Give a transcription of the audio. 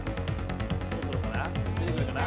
そろそろかな？